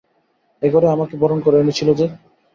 এ ঘরে আমাকে বরণ করে এনেছিল যে!